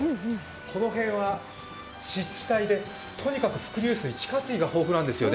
この辺は湿地帯でとにかく伏流水、地下水が豊富なんですよね。